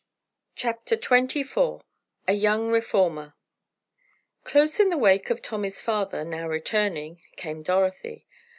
CHAPTER XXIV A YOUNG REFORMER Close in the wake of Tommy's father, now returning, came Dorothy.